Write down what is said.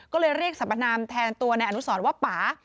ก็เลยเรียกสรรพนามแทนตัวนายอนุสรว่าป่า